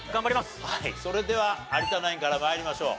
それでは有田ナインから参りましょう。